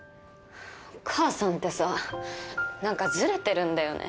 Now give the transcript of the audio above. お母さんってさ何かずれてるんだよね。